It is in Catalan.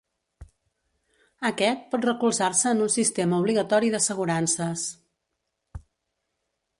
Aquest pot recolzar-se en un sistema obligatori d'assegurances.